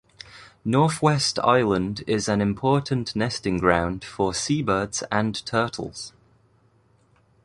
North West Island is an important nesting ground for seabirds and turtles.